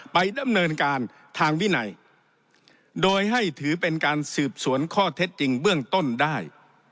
ไปดำเนินการทางวินัยโดยให้ถือเป็นการสืบสวนข้อเท็จจริงเบื้องต้นได้